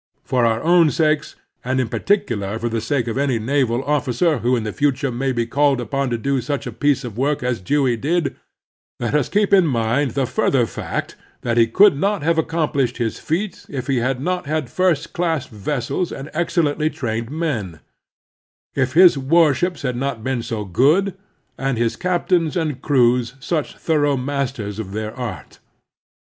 For our own sakes, and in particular for the sake of any naval officer who in the future may be called upon to do such a piece of work as Dewey did, let us keep in mind the further fact that he could not have accomplished his feat if he had not had first class vessels and excellently trained men ; if his warships had not been so good, and his captains and crews such thorough masters of their art.